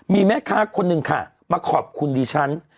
มีแม่ค้าคนหนึ่งค่ะมาขอบคุณดิฉัน